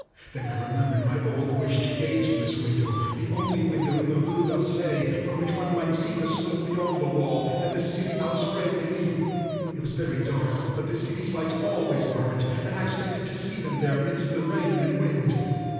Then I remembered my old wish to gaze from this window, the only window in the Rue d'Auseil from which one might see the slope beyond the wall, and the city outspread beneath. It was very dark, but the city's lights always burned, and I expected to see them there amidst the rain and wind.